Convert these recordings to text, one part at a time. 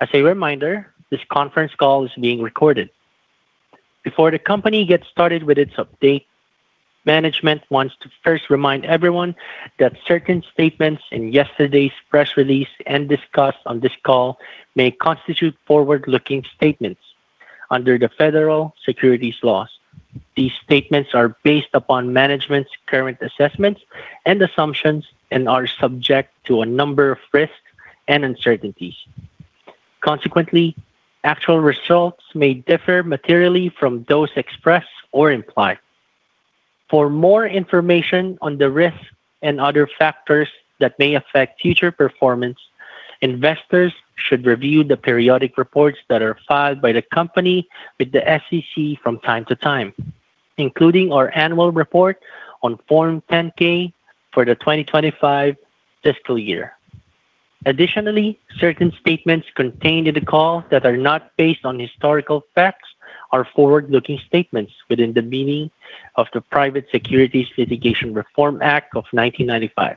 As a reminder, this conference call is being recorded. Before the company gets started with its update, management wants to first remind everyone that certain statements in yesterday's press release and discussed on this call may constitute forward-looking statements under the Federal Securities Laws. These statements are based upon management's current assessments and assumptions and are subject to a number of risks and uncertainties. Consequently, actual results may differ materially from those expressed or implied. For more information on the risks and other factors that may affect future performance, investors should review the periodic reports that are filed by the company with the SEC from time to time, including our annual report on Form 10-K for the 2025 fiscal year. Additionally, certain statements contained in the call that are not based on historical facts are forward-looking statements within the meaning of the Private Securities Litigation Reform Act of 1995.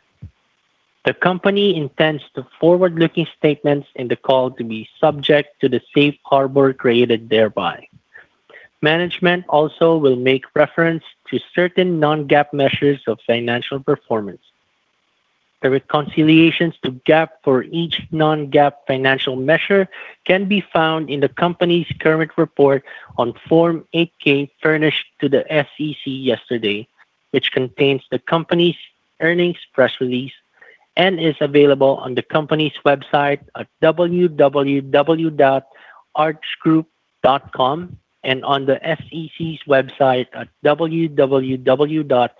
The company intends to forward-looking statements in the call to be subject to the safe harbor created thereby. Management also will make reference to certain non-GAAP measures of financial performance. The reconciliations to GAAP for each non-GAAP financial measure can be found in the company's current report on Form 8-K furnished to the SEC yesterday, which contains the company's earnings press release and is available on the company's website at www.archgroup.com and on the SEC's website at www.sec.gov.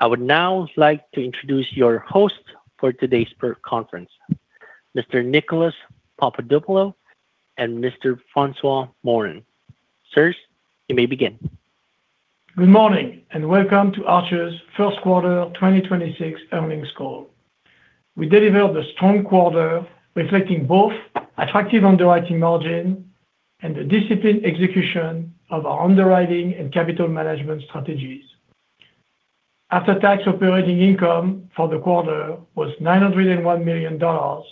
I would now like to introduce your host for today's conference, Mr. Nicolas Papadopoulo and Mr. François Morin. Sirs, you may begin. Good morning, and welcome to Arch's first quarter 2026 earnings call. We delivered a strong quarter reflecting both attractive underwriting margin and the disciplined execution of our underwriting and capital management strategies. After-tax operating income for the quarter was $901 million, or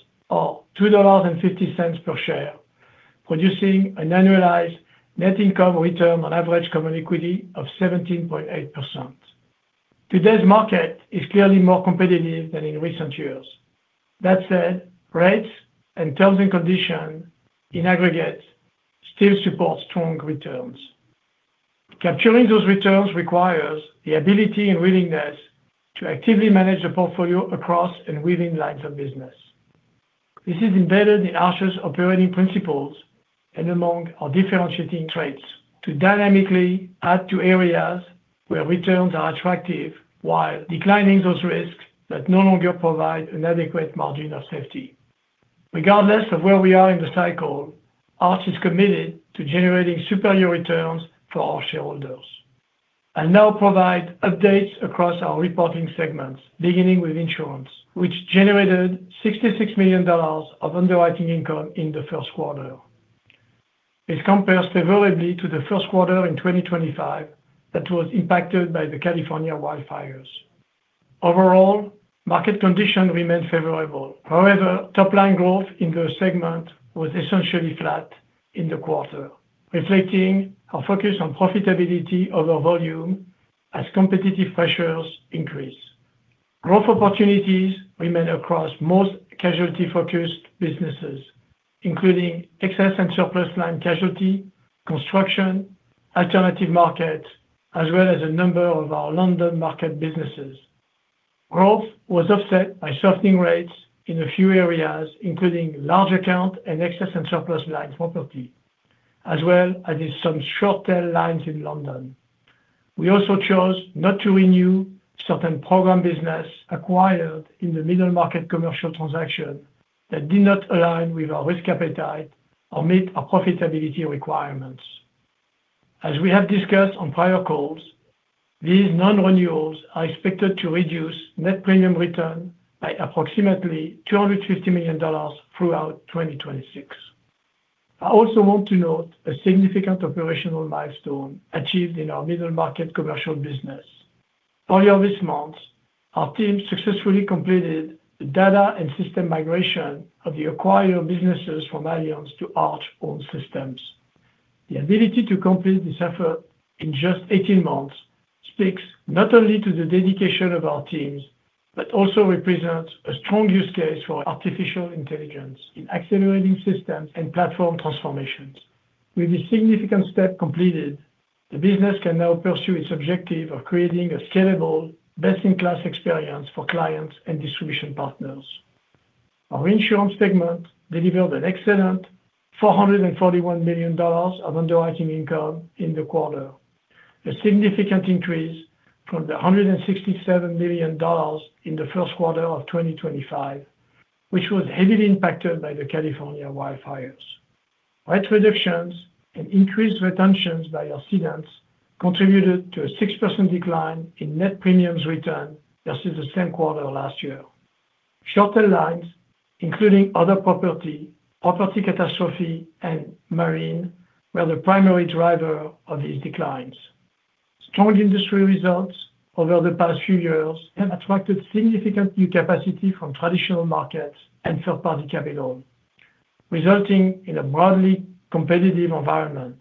$2.50 per share, producing an annualized net income return on average common equity of 17.8%. Today's market is clearly more competitive than in recent years. That said, rates and terms and conditions in aggregate still support strong returns. Capturing those returns requires the ability and willingness to actively manage the portfolio across and within lines of business. This is embedded in Arch's operating principles and among our differentiating traits to dynamically add to areas where returns are attractive while declining those risks that no longer provide an adequate margin of safety. Regardless of where we are in the cycle, Arch is committed to generating superior returns for our shareholders. I'll now provide updates across our reporting segments, beginning with insurance, which generated $66 million of underwriting income in the first quarter. It compares favorably to the first quarter in 2025 that was impacted by the California wildfires, overall, market condition remained favorable. Top line growth in the segment was essentially flat in the quarter, reflecting our focus on profitability over volume as competitive pressures increase. Growth opportunities remain across most casualty-focused businesses, including excess and surplus lines casualty, construction, alternative market, as well as a number of our London market businesses. Growth was offset by softening rates in a few areas, including large account and excess and surplus lines property, as well as in some short tail lines in London. We also chose not to renew certain program business acquired in the middle market commercial transaction that did not align with our risk appetite or meet our profitability requirements. These non-renewals are expected to reduce net premium return by approximately $250 million throughout 2026. I also want to note a significant operational milestone achieved in our middle market commercial business. Earlier this month, our team successfully completed the data and system migration of the acquired businesses from Allianz to Arch own systems. The ability to complete this effort in just 18 months speaks not only to the dedication of our teams, but also represents a strong use case for artificial intelligence in accelerating systems and platform transformations. With a significant step completed, the business can now pursue its objective of creating a scalable, best-in-class experience for clients and distribution partners. Our insurance segment delivered an excellent $441 million of underwriting income in the quarter, a significant increase from the $167 million in the first quarter of 2025, which was heavily impacted by the California wildfires. Rate reductions and increased retentions by our cedents contributed to a 6% decline in net premiums written versus the same quarter last year. Shorter lines, including other property catastrophe, and marine, were the primary driver of these declines. Strong industry results over the past few years have attracted significant new capacity from traditional markets and third-party capital, resulting in a broadly competitive environment.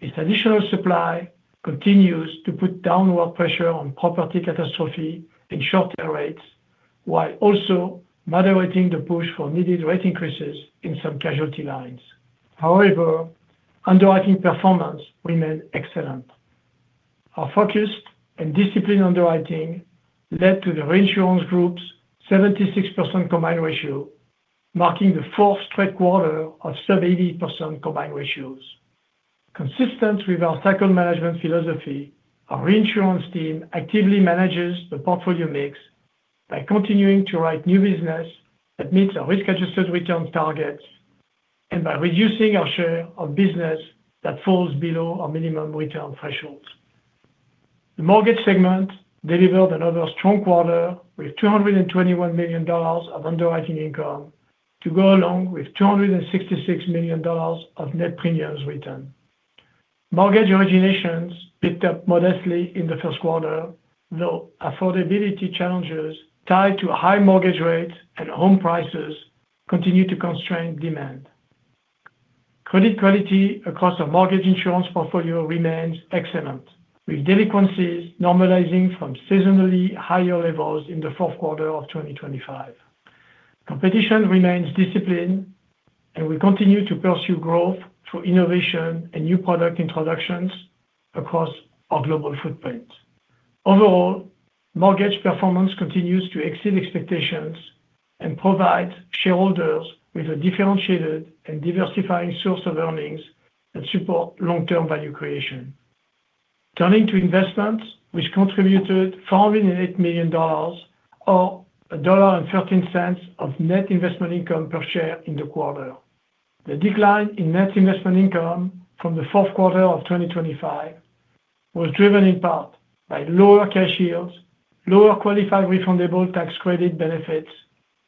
This additional supply continues to put downward pressure on property catastrophe and shorter rates, while also moderating the push for needed rate increases in some casualty lines, underwriting performance remained excellent. Our focused and disciplined underwriting led to the reinsurance group's 76% combined ratio, marking the fourth straight quarter of sub 80% combined ratios. Consistent with our cycle management philosophy, our reinsurance team actively manages the portfolio mix by continuing to write new business that meets our risk-adjusted return targets and by reducing our share of business that falls below our minimum return thresholds. The mortgage segment delivered another strong quarter with $221 million of underwriting income to go along with $266 million of net premiums written. Mortgage originations picked up modestly in the first quarter, though affordability challenges tied to high mortgage rates and home prices continue to constrain demand. Credit quality across our mortgage insurance portfolio remains excellent, with delinquencies normalizing from seasonally higher levels in the fourth quarter of 2025, competition remains disciplined. We continue to pursue growth through innovation and new product introductions across our global footprint. Overall, mortgage performance continues to exceed expectations and provide shareholders with a differentiated and diversifying source of earnings that support long-term value creation. Turning to investments, which contributed $408 million, or $1.13 of net investment income per share in the quarter. The decline in net investment income from the fourth quarter of 2025 was driven in part by lower cash yields, lower qualified refundable tax credit benefits,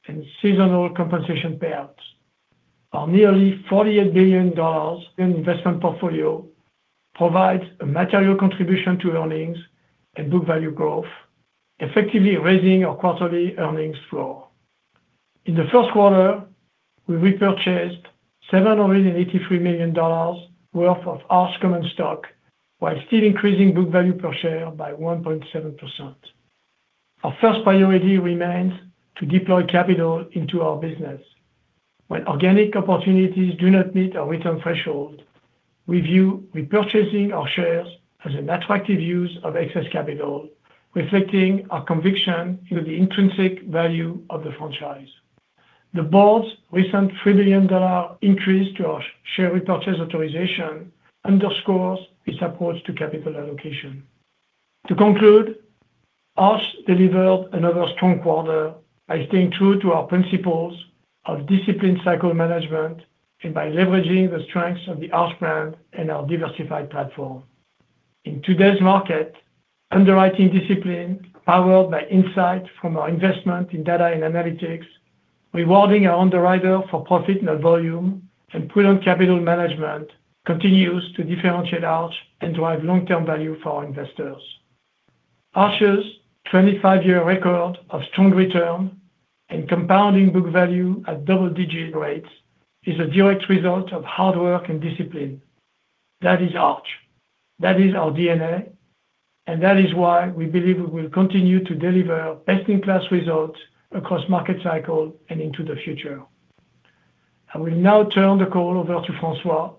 and seasonal compensation payouts. Our nearly $48 billion in investment portfolio provides a material contribution to earnings and book value growth, effectively raising our quarterly earnings flow. In the first quarter, we repurchased $783 million worth of Arch common stock while still increasing book value per share by 1.7%. Our first priority remains to deploy capital into our business. When organic opportunities do not meet our return threshold, we view repurchasing our shares as an attractive use of excess capital, reflecting our conviction in the intrinsic value of the franchise. The board's recent $3 billion increase to our share repurchase authorization underscores this approach to capital allocation. To conclude, Arch delivered another strong quarter by staying true to our principles of disciplined cycle management and by leveraging the strengths of the Arch brand and our diversified platform. In today's market, underwriting discipline, powered by insight from our investment in data and analytics, rewarding our underwriter for profit not volume, and prudent capital management continues to differentiate Arch and drive long-term value for our investors. Arch's 25 year record of strong return and compounding book value at double-digit rates is a direct result of hard work and discipline. That is Arch. That is our DNA, and that is why we believe we will continue to deliver best-in-class results across market cycle and into the future. I will now turn the call over to François,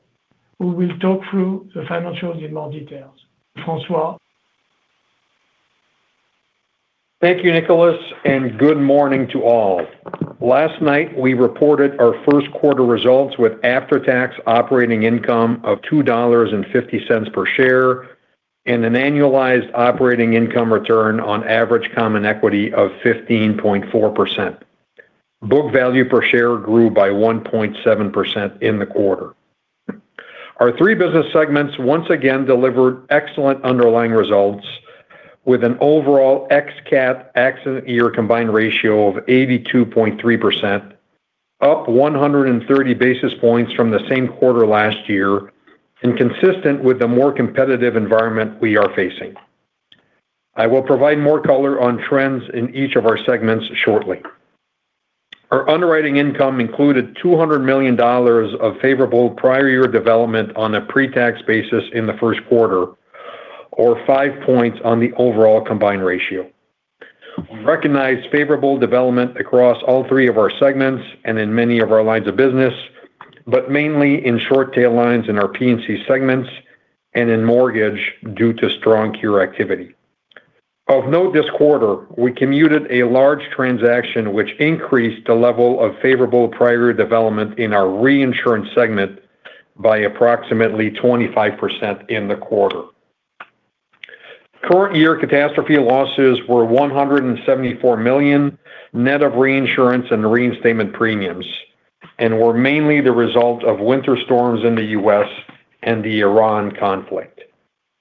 who will talk through the financials in more details. François? Thank you, Nicolas, and good morning to all. Last night, we reported our first quarter results with after-tax operating income of $2.50 per share and an annualized operating income return on average common equity of 15.4%. Book value per share grew by 1.7% in the quarter. Our three business segments once again delivered excellent underlying results with an overall ex-cat, accident year combined ratio of 82.3%, up 130 basis points from the same quarter last year and consistent with the more competitive environment we are facing. I will provide more color on trends in each of our segments shortly. Our underwriting income included $200 million of favorable prior year development on a pre-tax basis in the first quarter or five points on the overall combined ratio. We recognized favorable development across all three of our segments and in many of our lines of business, but mainly in short tail lines in our P&C segments and in mortgage due to strong cure activity. Of note this quarter, we commuted a large transaction which increased the level of favorable prior year development in our reinsurance segment by approximately 25% in the quarter. Current year catastrophe losses were $174 million, net of reinsurance and reinstatement premiums, and were mainly the result of winter storms in the U.S. and the Iran Conflict.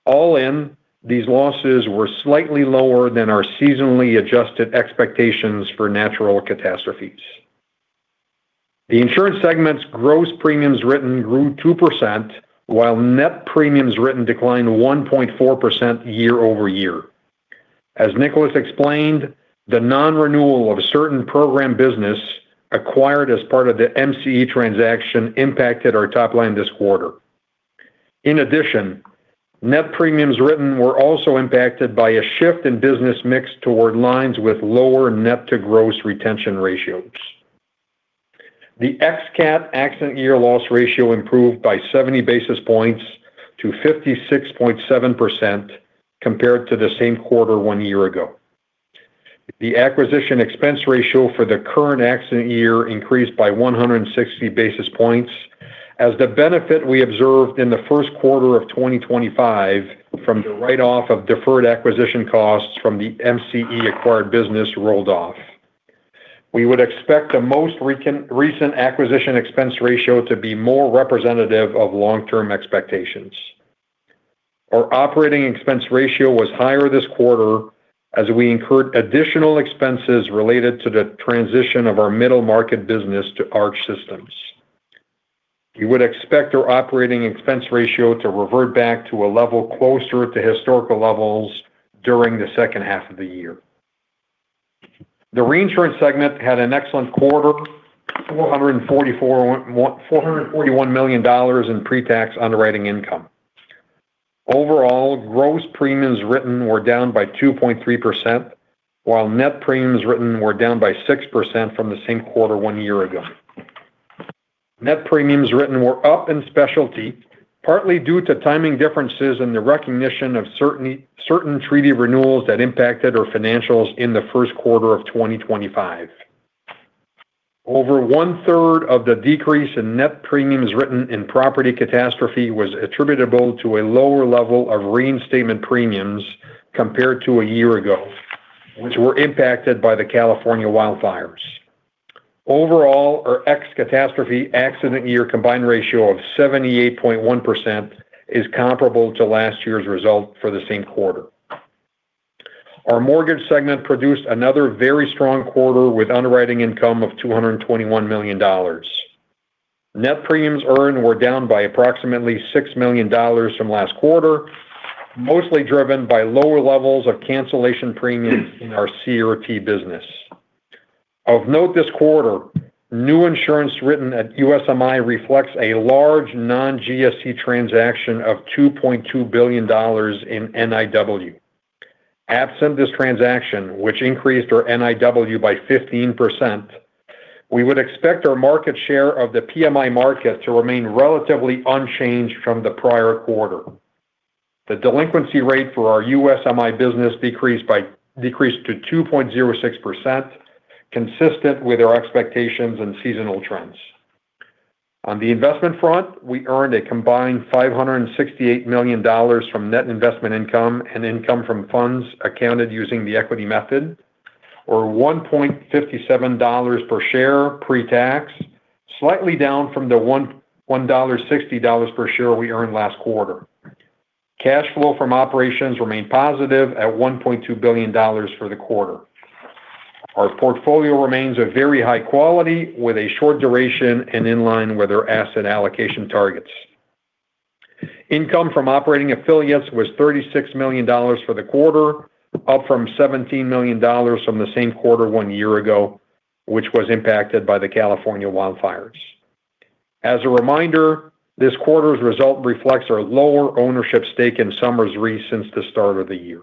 All in, these losses were slightly lower than our seasonally adjusted expectations for natural catastrophes. The insurance segment's gross premiums written grew 2%, while net premiums written declined 1.4% year-over-year. As Nicolas explained, the non-renewal of certain program business acquired as part of the MCE transaction impacted our top line this quarter. In addition, net premiums written were also impacted by a shift in business mix toward lines with lower net to gross retention ratios. The ex-cat accident year loss ratio improved by 70 basis points to 56.7% compared to the same quarter one year ago. The acquisition expense ratio for the current accident year increased by 160 basis points as the benefit we observed in the first quarter of 2025 from the write-off of deferred acquisition costs from the MCE acquired business rolled off. We would expect the most recent acquisition expense ratio to be more representative of long-term expectations. Our operating expense ratio was higher this quarter as we incurred additional expenses related to the transition of our middle market business to Arch Systems. We would expect our operating expense ratio to revert back to a level closer to historical levels during the second half of the year. The reinsurance segment had an excellent quarter, $441 million in pre-tax underwriting income. Overall, gross premiums written were down by 2.3%, while net premiums written were down by 6% from the same quarter one year ago. Net premiums written were up in specialty, partly due to timing differences in the recognition of certain treaty renewals that impacted our financials in the first quarter of 2025. Over 1/3 of the decrease in net premiums written in property catastrophe was attributable to a lower level of reinstatement premiums compared to a year ago, which were impacted by the California wildfires. Overall, our ex-cat accident year combined ratio of 78.1% is comparable to last year's result for the same quarter. Our mortgage segment produced another very strong quarter with underwriting income of $221 million. Net premiums earned were down by approximately $6 million from last quarter, mostly driven by lower levels of cancellation premiums in our CRT business. Of note this quarter, new insurance written at USMI reflects a large non-GSE transaction of $2.2 billion in NIW. Absent this transaction, which increased our NIW by 15%, we would expect our market share of the PMI market to remain relatively unchanged from the prior quarter. The delinquency rate for our USMI business decreased to 2.06%, consistent with our expectations and seasonal trends. On the investment front, we earned a combined $568 million from net investment income and income from funds accounted using the equity method, or $1.57 per share pre-tax, slightly down from the $1.60 per share we earned last quarter. Cash flow from operations remained positive at $1.2 billion for the quarter. Our portfolio remains a very high quality with a short duration and in line with our asset allocation targets. Income from operating affiliates was $36 million for the quarter, up from $17 million from the same quarter one year ago, which was impacted by the California wildfires. As a reminder, this quarter's result reflects our lower ownership stake in Somers Re since the start of the year.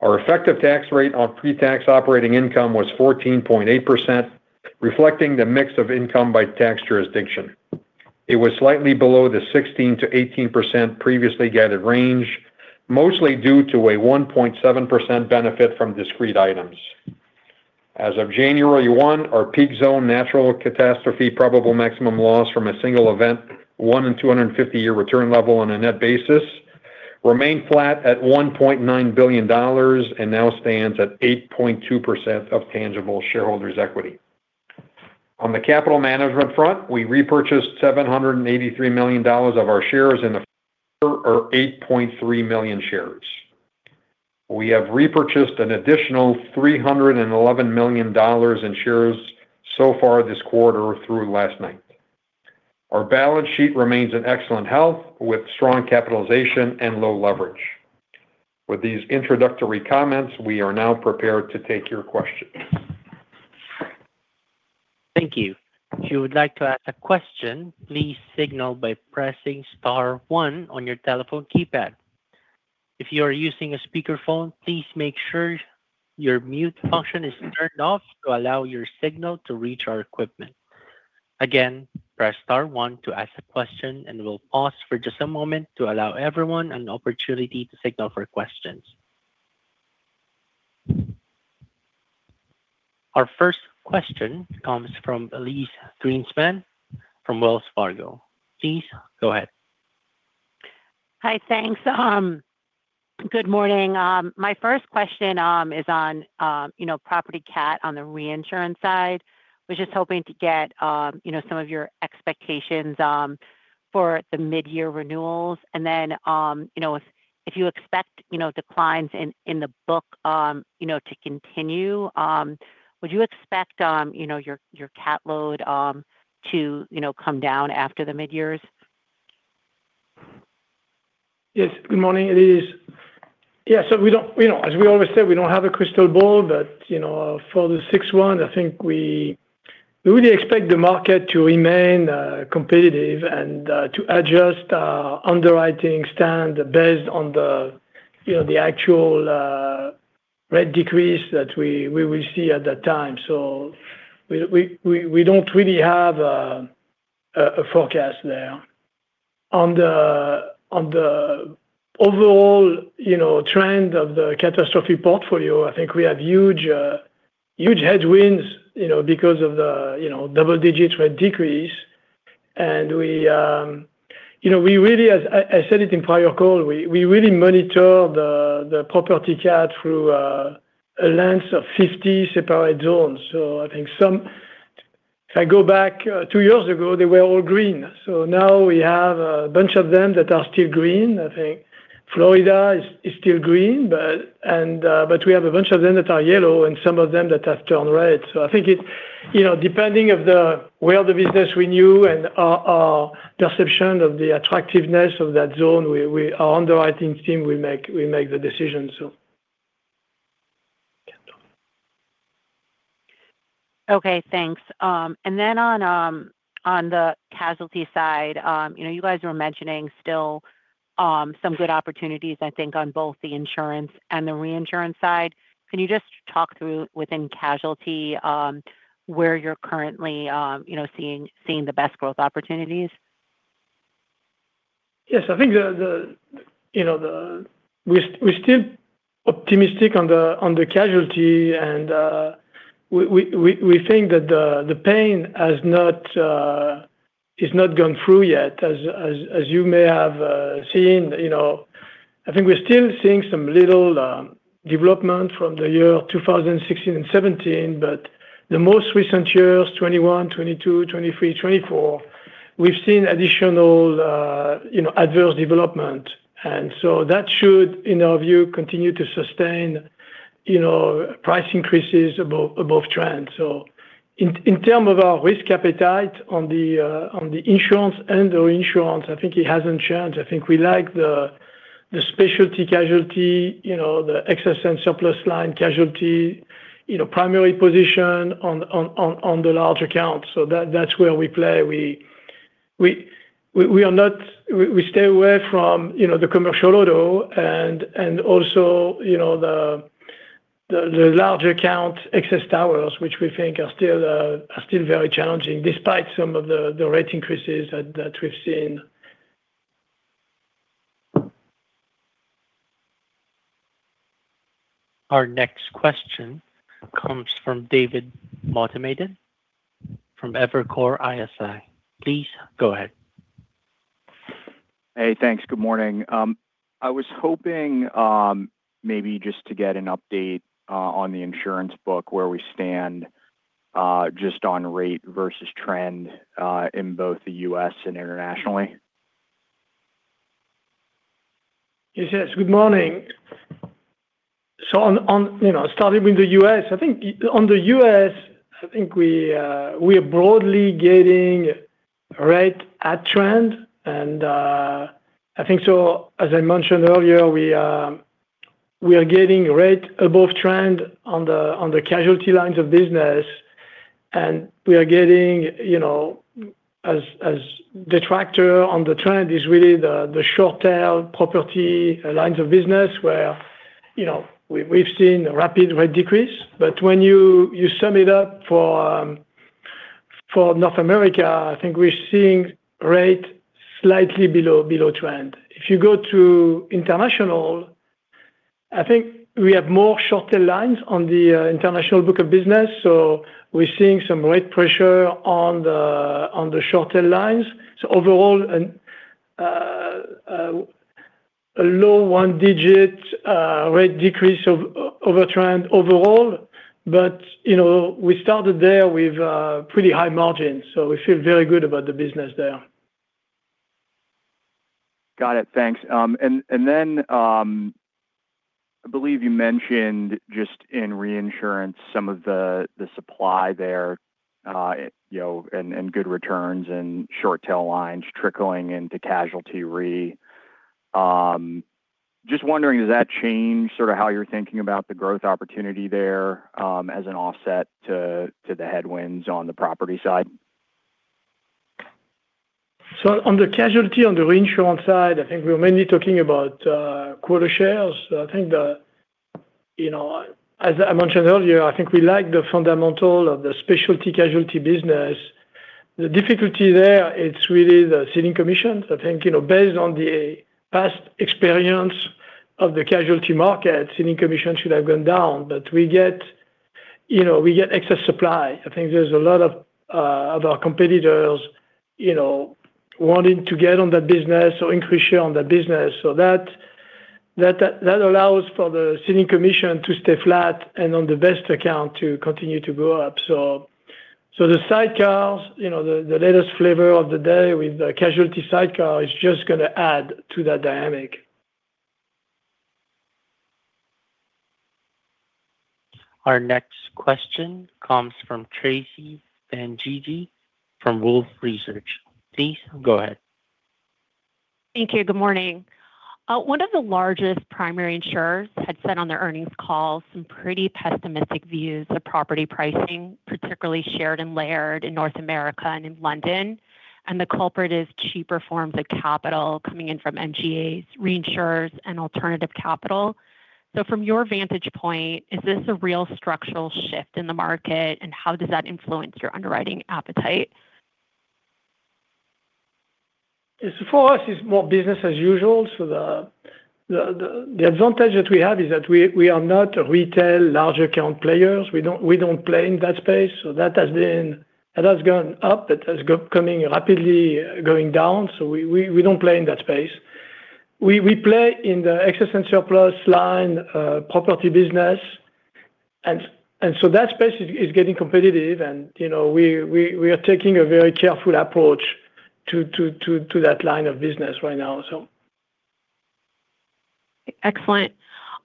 Our effective tax rate on pre-tax operating income was 14.8%, reflecting the mix of income by tax jurisdiction. It was slightly below the 16%-18% previously guided range, mostly due to a 1.7% benefit from discrete items. As of January 1, our peak zone natural catastrophe probable maximum loss from a single event, one in 250 year return level on a net basis, remained flat at $1.9 billion and now stands at 8.2% of tangible shareholders' equity. On the capital management front, we repurchased $783 million of our shares in the quarter or 8.3 million shares. We have repurchased an additional $311 million in shares so far this quarter through last night. Our balance sheet remains in excellent health with strong capitalization and low leverage. With these introductory comments, we are now prepared to take your questions. Thank you. If you would like to ask a question, please signal by pressing star one on your telephone keypad. If you are using a speakerphone, please make sure your mute function is turned off to allow your signal to reach our equipment. Again, press star one to ask a question. We'll pause for just a moment to allow everyone an opportunity to signal for questions. Our first question comes from Elyse Greenspan from Wells Fargo. Elyse, go ahead. Hi, thanks. Good morning. My first question is on, you know, property cat on the reinsurance side. Was just hoping to get, you know, some of your expectations For the mid-year renewals, and then, you know, if you expect, you know, declines in the book, you know, to continue, would you expect, you know, your cat load, to, you know, come down after the mid-years? Yes. Good morning. We don't, you know, as we always say, we don't have a crystal ball, but, you know, for the 6/1, I think we really expect the market to remain competitive and to adjust underwriting standards based on the, you know, the actual rate decrease that we will see at that time. We don't really have a forecast there. On the overall, you know, trend of the catastrophe portfolio, I think we have huge, huge headwinds, you know, because of the, you know, double-digit rate decrease. We, you know, we really as I said it in prior call, we really monitor the property cat through a lens of 50 separate zones. If I go back two years ago, they were all green. Now we have a bunch of them that are still green. I think Florida is still green. We have a bunch of them that are yellow and some of them that have turned red. I think it's, you know, depending if the way of the business we knew and our perception of the attractiveness of that zone, our underwriting team will make the decision. Okay, thanks. Then on the casualty side, you know, you guys were mentioning still, some good opportunities, I think, on both the insurance and the reinsurance side. Can you just talk through within casualty, where you're currently, you know, seeing the best growth opportunities? Yes. I think the, you know, the. We're still optimistic on the casualty and we think that the pain has not is not gone through yet. As you may have seen, you know, I think we're still seeing some little development from the year 2016 and 2017. The most recent years, 2021, 2022, 2023, 2024, we've seen additional, you know, adverse development. That should, in our view, continue to sustain, you know, price increases above trend. In term of our risk appetite on the insurance and reinsurance, I think it hasn't changed. I think we like the specialty casualty, you know, the excess and surplus lines casualty, you know, primary position on the large account. That's where we play. We stay away from, you know, the commercial auto and also, you know, the large account excess towers, which we think are still very challenging despite some of the rate increases that we've seen. Our next question comes from David Motemaden from Evercore ISI. Please go ahead. Hey, thanks. Good morning. I was hoping, maybe just to get an update, on the insurance book, where we stand, just on rate versus trend, in both the U.S. and internationally. Yes. Good morning. On, you know, starting with the U.S. I think on the U.S., I think we are broadly getting rate at trend. I think so as I mentioned earlier, we are getting rate above trend on the casualty lines of business. We are getting, you know, as detractor on the trend is really the short tail property lines of business where, you know, we've seen rapid rate decrease. When you sum it up for North America, I think we're seeing rate slightly below trend. If you go to international, I think we have more shorter lines on the international book of business. We're seeing some rate pressure on the shorter lines. Overall, a low one digit rate decrease of a trend overall. You know, we started there with pretty high margins, so we feel very good about the business there. Got it. Thanks. Then, I believe you mentioned just in reinsurance, some of the supply there, you know, and good returns and short tail lines trickling into casualty re. Just wondering, does that change sort of how you're thinking about the growth opportunity there, as an offset to the headwinds on the property side? On the casualty, on the reinsurance side, I think we're mainly talking about quota shares. I think the, you know, as I mentioned earlier, I think we like the fundamental of the specialty casualty business. The difficulty there is really the ceding commissions. I think, you know, based on the past experience of the casualty market, ceding commission should have gone down. We get, you know, we get excess supply. I think there's a lot of our competitors, you know, wanting to get on that business or increase share on that business. That allows for the ceding commission to stay flat and on the best account to continue to grow up. The sidecars, you know, the latest flavor of the day with the casualty sidecar is just gonna add to that dynamic. Our next question comes from Tracy Benguigui from Wolfe Research. Please go ahead. Thank you. Good morning. One of the largest primary insurers had said on their earnings call some pretty pessimistic views of property pricing, particularly shared and layered in North America and in London. The culprit is cheaper forms of capital coming in from MGAs, reinsurers, and alternative capital. From your vantage point, is this a real structural shift in the market, and how does that influence your underwriting appetite? Yes. For us, it's more business as usual. The advantage that we have is that we are not retail large account players. We don't play in that space. It has gone up. It has rapidly going down, so we don't play in that space. We play in the excess and surplus lines property business and so that space is getting competitive and, you know, we are taking a very careful approach to that line of business right now, so. Excellent.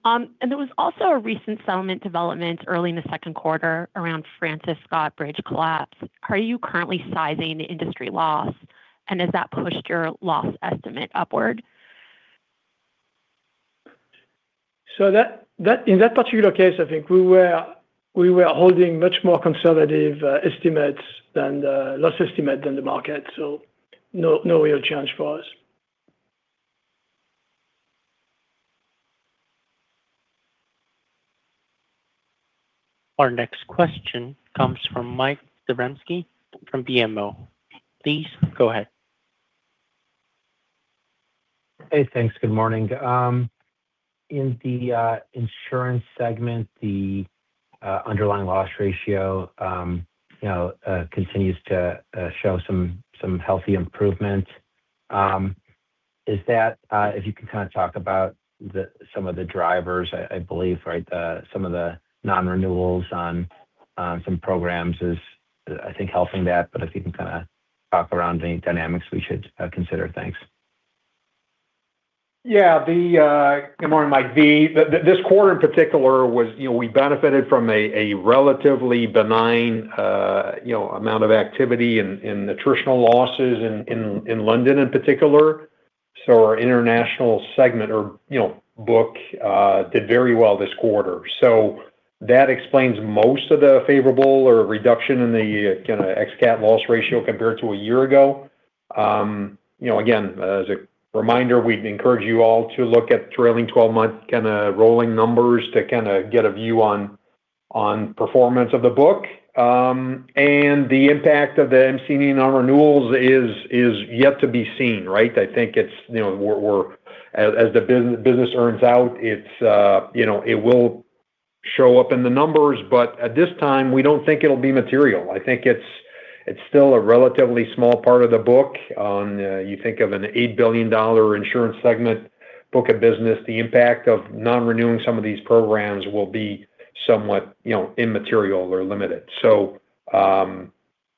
There was also a recent settlement development early in the second quarter around Francis Scott Key Bridge collapse. How are you currently sizing the industry loss, and has that pushed your loss estimate upward? In that particular case, I think we were holding much more conservative estimates than loss estimate than the market, so no real change for us. Our next question comes from Mike Zaremski from BMO. Please go ahead. Hey, thanks. Good morning. In the insurance segment, the underlying loss ratio, you know, continues to show some healthy improvement. If you can kind of talk about some of the drivers, I believe, right, some of the non-renewals on some programs is, I think helping that, but if you can kind of talk around the dynamics we should consider. Thanks. Yeah. Good morning, Mike. This quarter in particular was, you know, we benefited from a relatively benign, you know, amount of activity in attritional losses in London in particular. Our international segment or, you know, book did very well this quarter. That explains most of the favorable or reduction in the kind of ex-cat loss ratio compared to a year ago. You know, again, as a reminder, we'd encourage you all to look at trailing 12 month kind of rolling numbers to kind of get a view on performance of the book. The impact of the MCE non-renewals is yet to be seen, right? I think it's, you know, we're. As the business earns out, it's, you know, it will show up in the numbers. At this time, we don't think it'll be material. I think it's still a relatively small part of the book. On, you think of an $8 billion insurance segment book of business, the impact of non-renewing some of these programs will be somewhat, you know, immaterial or limited.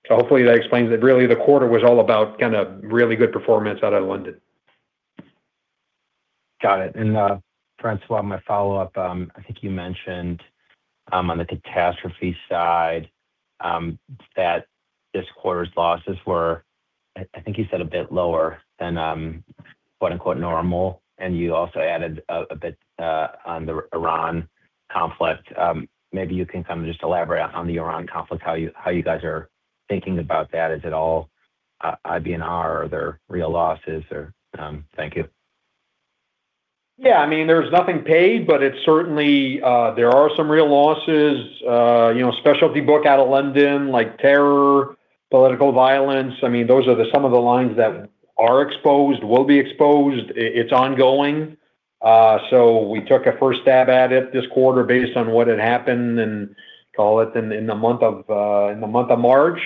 Hopefully that explains it. Really, the quarter was all about kinda really good performance out of London. Got it. François, my follow-up, I think you mentioned on the catastrophe side that this quarter's losses were, I think you said, a bit lower than quote-unquote normal, and you also added a bit on the Iran conflict. Maybe you can kind of just elaborate on the Iran conflict, how you guys are thinking about that. Is it all IBNR or are there real losses or? Thank you. I mean, there's nothing paid, it's certainly there are some real losses. You know, specialty book out of London, like terror, political violence, I mean, those are the some of the lines that are exposed, will be exposed. It's ongoing. We took a first stab at it this quarter based on what had happened in the month of March.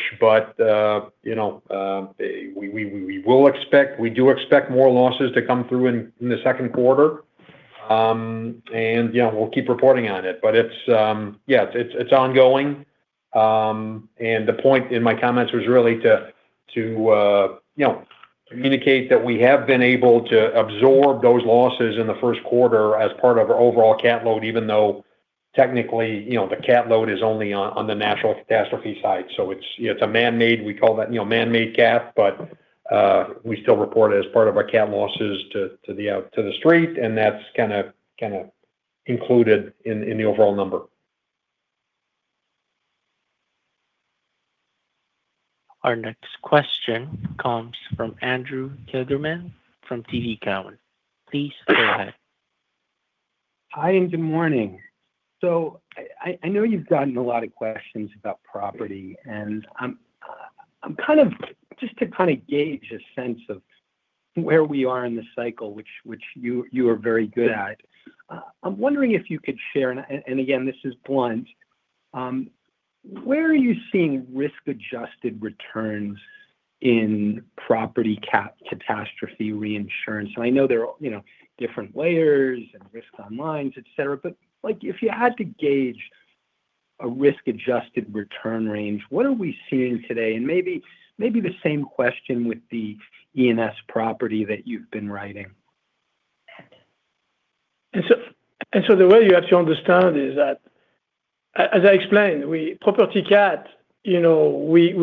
You know, we do expect more losses to come through in the second quarter. Yeah, we'll keep reporting on it. It's, yeah, it's ongoing. The point in my comments was really to, you know, communicate that we have been able to absorb those losses in the first quarter as part of our overall cat load, even though technically, you know, the cat load is only on the natural catastrophe side. It's a man-made, we call that, you know, man-made cat, but we still report it as part of our cat losses to the out, to the street, and that's kind of included in the overall number. Our next question comes from Andrew Kligerman from TD Cowen. Please go ahead. Hi. Good morning. I know you've gotten a lot of questions about property, and just to kind of gauge a sense of where we are in the cycle, which you are very good at, I'm wondering if you could share. Again, this is blunt. Where are you seeing risk-adjusted returns in property cat catastrophe reinsurance? I know there are, you know, different layers and risks on lines, et cetera, but, like, if you had to gauge a risk-adjusted return range, what are we seeing today? Maybe, maybe the same question with the E&S property that you've been writing. The way you have to understand is that, as I explained, we property cat manage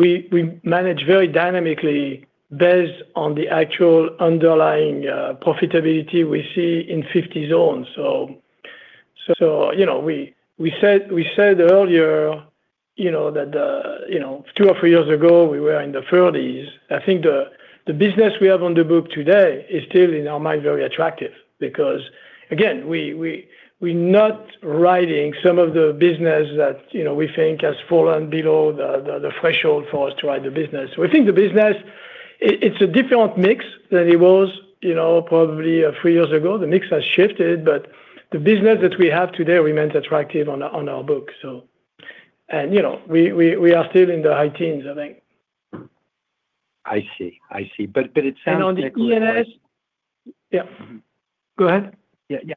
very dynamically based on the actual underlying profitability we see in 50 zones. We said earlier that two or three years ago we were in the 30s. I think the business we have on the book today is still in our mind very attractive because, again, we're not riding some of the business that we think has fallen below the threshold for us to ride the business. We think the business, it's a different mix than it was probably three years ago. The mix has shifted, the business that we have today remains attractive on our books. You know, we are still in the high-teens, I think. I see. I see. It sounds like- On the E&S. Yeah. Go ahead. Yeah, yeah.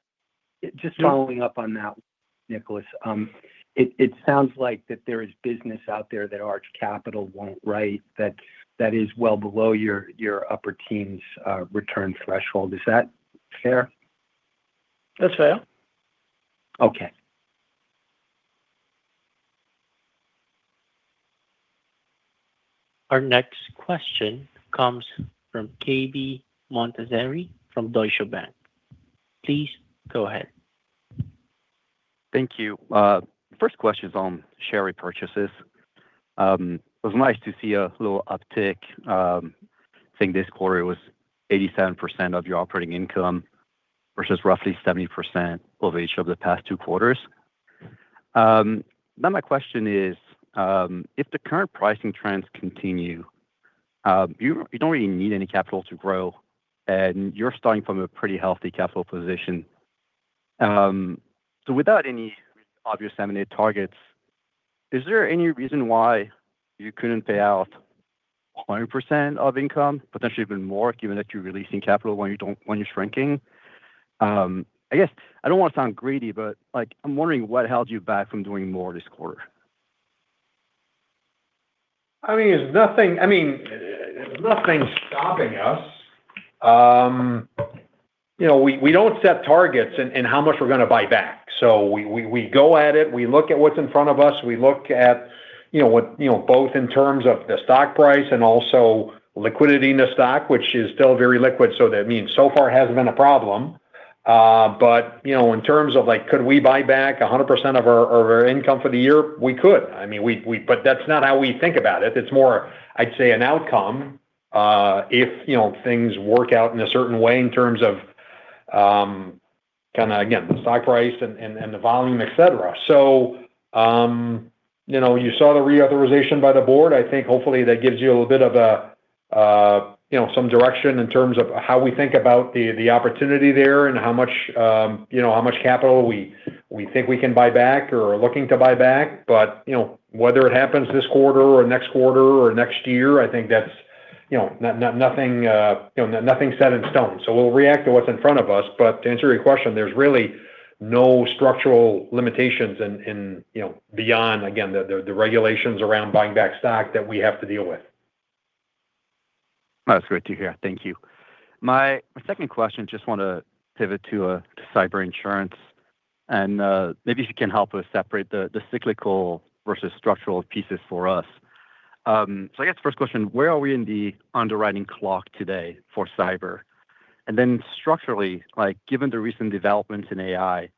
Just following up on that, Nicolas. It sounds like that there is business out there that Arch Capital won't write that is well below your upper team's return threshold. Is that fair? That's fair. Okay. Our next question comes from Cave Montazeri from Deutsche Bank. Please go ahead. Thank you. First question is on share repurchases. It was nice to see a little uptick. I think this quarter it was 87% of your operating income versus roughly 70% of each of the past two quarters. Now my question is, if the current pricing trends continue, you don't really need any capital to grow, and you're starting from a pretty healthy capital position. Without any obvious M&A targets, is there any reason why you couldn't pay out 100% of income, potentially even more, given that you're releasing capital when you don't... When you're shrinking? I guess I don't want to sound greedy, but, like, I'm wondering what held you back from doing more this quarter. I mean, there's nothing stopping us. You know, we don't set targets in how much we're gonna buy back. We, we go at it, we look at what's in front of us, we look at, you know, what, you know, both in terms of the stock price and also liquidity in the stock, which is still very liquid. That means so far it hasn't been a problem. You know, in terms of like, could we buy back 100% of our, of our income for the year? We could. I mean, we, but that's not how we think about it. It's more, I'd say, an outcome, if, you know, things work out in a certain way in terms of, kind of, again, the stock price and, and the volume, et cetera. You know, you saw the reauthorization by the board. I think hopefully that gives you a little bit of a, you know, some direction in terms of how we think about the opportunity there and how much, you know, how much capital we think we can buy back or are looking to buy back. You know, whether it happens this quarter or next quarter or next year, I think that's, you know, nothing's set in stone. We'll react to what's in front of us. To answer your question, there's really no structural limitations, you know, beyond, again, the regulations around buying back stock that we have to deal with. That's great to hear. Thank you. My second question, just want to pivot to cyber insurance, maybe if you can help us separate the cyclical versus structural pieces for us. I guess first question, where are we in the underwriting clock today for cyber? Structurally, like, given the recent developments in AI,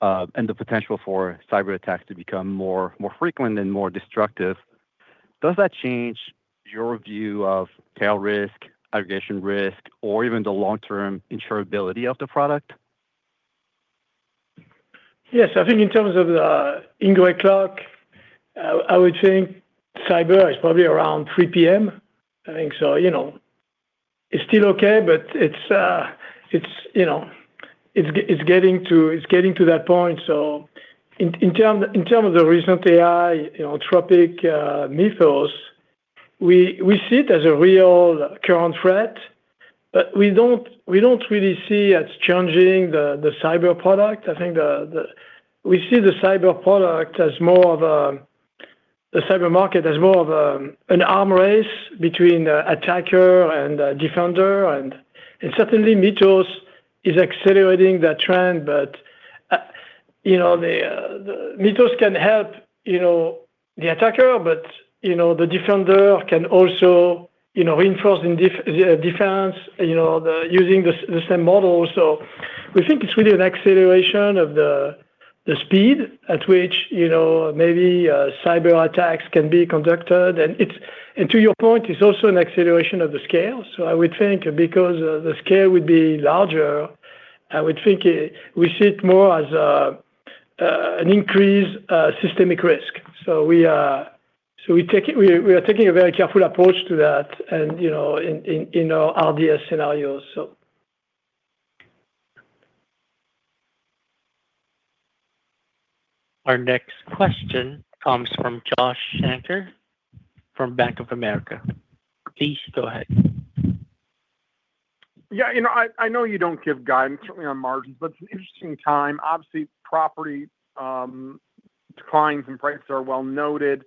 and the potential for cyberattacks to become more, more frequent and more destructive, does that change your view of tail risk, aggregation risk, or even the long-term insurability of the product? I think in terms of the ongoing clock, I would say cyber is probably around three P.M., I think so. You know, it's still okay, but it's, you know, it's getting to that point. In term of the recent AI, you know, Anthropic Mythos, we see it as a real current threat, but we don't really see it's changing the cyber product. I think the cyber market as more of an arm race between the attacker and the defender. Certainly Mythos is accelerating that trend. You know, the Mythos can help, you know, the attacker, but, you know, the defender can also, you know, reinforce in defense, you know, using the same model. We think it's really an acceleration of the speed at which, you know, maybe cyberattacks can be conducted. It's and to your point, it's also an acceleration of the scale. I would think because the scale would be larger, I would think, we see it more as an increased systemic risk. We are, so we take it, we are taking a very careful approach to that and, you know, in our RDS scenarios. Our next question comes from Josh Shanker from Bank of America. Please go ahead. Yeah. You know, I know you don't give guidance certainly on margins. It's an interesting time. Obviously, property declines and prices are well-noted.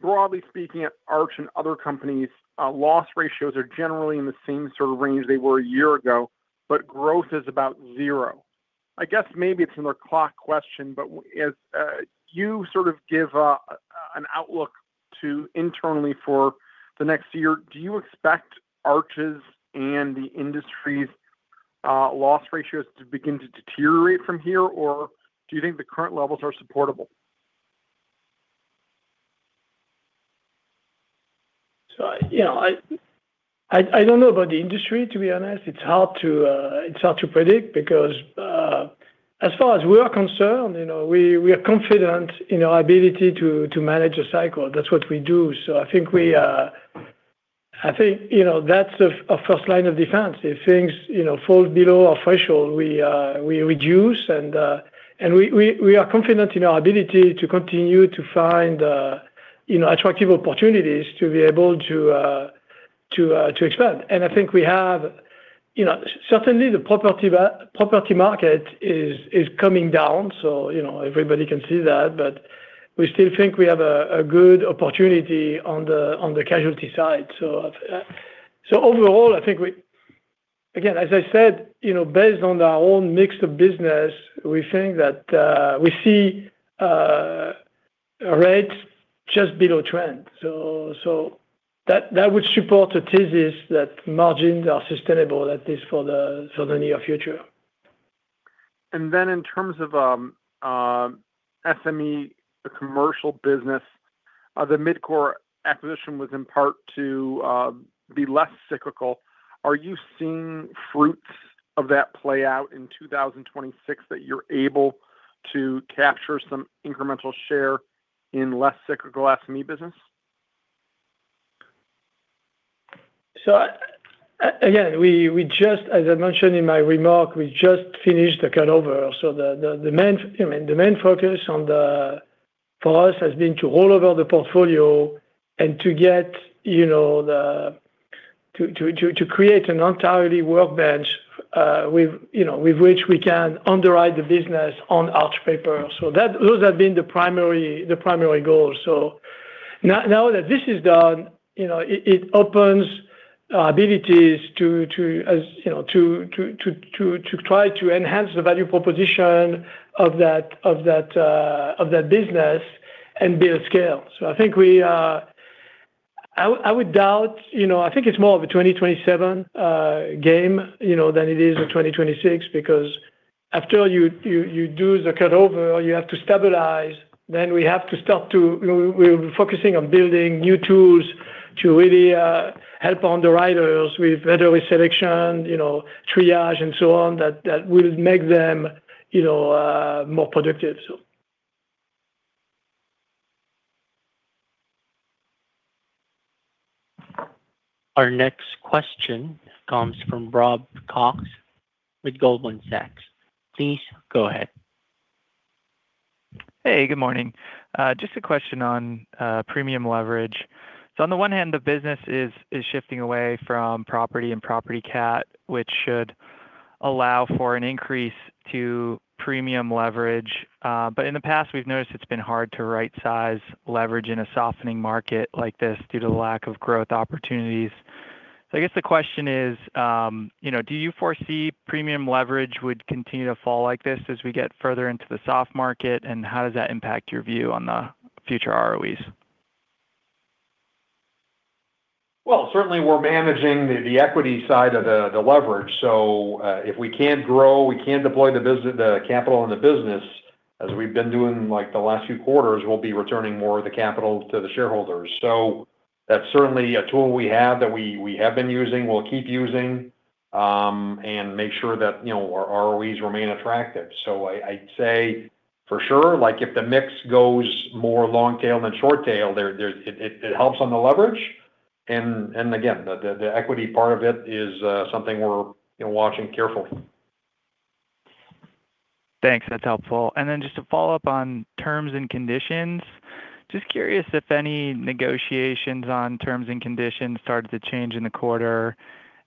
Broadly speaking, at Arch and other companies, loss ratios are generally in the same sort of range they were a year ago. Growth is about zero. I guess maybe it's another clock question. As you sort of give an outlook to internally for the next year, do you expect Arch's and the industry's loss ratios to begin to deteriorate from here, or do you think the current levels are supportable? You know, I don't know about the industry, to be honest. It's hard to predict because as far as we are concerned, you know, we are confident in our ability to manage a cycle. That's what we do. I think, you know, that's a first line of defense. If things, you know, fall below our threshold, we reduce and we are confident in our ability to continue to find, you know, attractive opportunities to be able to expand. I think we have, you know. Certainly, the property market is coming down, you know, everybody can see that, we still think we have a good opportunity on the casualty side. Overall, I think, again, as I said, you know, based on our own mix of business, we think that we see rates just below trend. That would support the thesis that margins are sustainable, at least for the near future. Then in terms of SME, the commercial business, the MidCorp acquisition was in part to be less cyclical. Are you seeing fruits of that play out in 2026 that you're able to capture some incremental share in less cyclical SME business? Again, we just. As I mentioned in my remark, we just finished the cutover. The main, I mean, the main focus for us has been to roll over the portfolio and to get, you know, to create an entirely workbench, with, you know, with which we can underwrite the business on Arch paper. Those have been the primary goal. Now that this is done, you know, it opens abilities to, as, you know, to try to enhance the value proposition of that business and build scale. I think we. I would doubt, you know. I think it's more of a 2027 game, you know, than it is a 2026 because after you do the cutover, you have to stabilize, then we have to start to, you know, we're focusing on building new tools to really help underwriters with better risk selection, you know, triage and so on that will make them, you know, more productive, so. Our next question comes from Rob Cox with Goldman Sachs. Please go ahead. Hey, good morning. Just a question on premium leverage. On the one hand, the business is shifting away from property and property cat, which should allow for an increase to premium leverage. In the past, we've noticed it's been hard to right size leverage in a softening market like this due to lack of growth opportunities. I guess the question is, you know, do you foresee premium leverage would continue to fall like this as we get further into the soft market? How does that impact your view on the future ROEs? Well, certainly we're managing the equity side of the leverage. If we can't grow, we can't deploy the capital in the business as we've been doing like the last few quarters, we'll be returning more of the capital to the shareholders. That's certainly a tool we have that we have been using, we'll keep using, and make sure that, you know, our ROEs remain attractive. I'd say for sure, like if the mix goes more long tail than short tail, it helps on the leverage. Again, the, the equity part of it is something we're, you know, watching careful. Thanks. That's helpful. Just to follow up on terms and conditions, just curious if any negotiations on terms and conditions started to change in the quarter.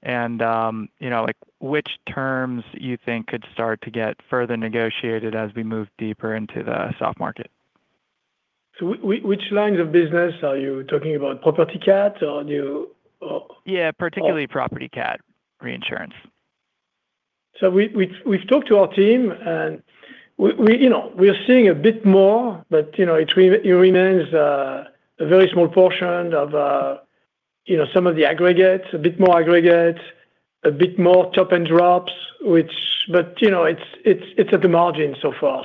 You know, like which terms you think could start to get further negotiated as we move deeper into the soft market? Which lines of business are you talking about? Property cat? Yeah, particularly property cat reinsurance. We've talked to our team and we, you know, we are seeing a bit more, but you know, it remains a very small portion of, you know, some of the aggregates, a bit more aggregate, a bit more top-and-drops. You know, it's at the margin so far.